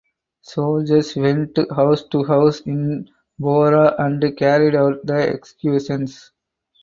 Soldiers went house to house in Bora and carried out the executions.